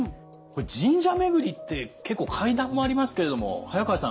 神社めぐりって結構階段もありますけれども早川さん